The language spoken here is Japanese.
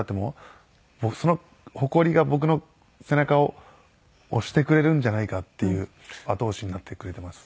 その誇りが僕の背中を押してくれるんじゃないかっていう後押しになってくれてます。